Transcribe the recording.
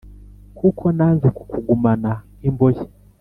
Kuko nanze kukugumana nkimbohe